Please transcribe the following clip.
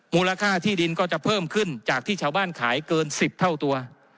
มูลค่าที่ดินก็จะเพิ่มขึ้นจากที่ชาวบ้านขายเกิน๑๐เท่าตัว